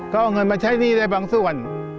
เขาเอาเงินมาใช้หนี้ในบางส่วน